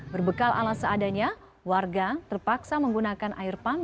berbekal alas seadanya warga terpaksa menggunakan air pump